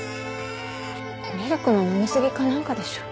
ミルクの飲み過ぎかなんかでしょ。